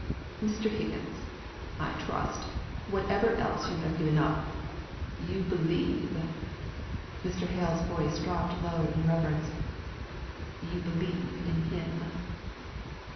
Mr. Higgins, I trust, whatever else you have given up, you believe" (Mr. Hale's voice dropped low in reverence) "you believe in Him."